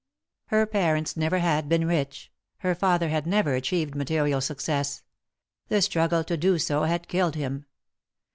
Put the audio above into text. Her parents never had been rich ; her father had never achieved material success. The struggle to do so had killed him.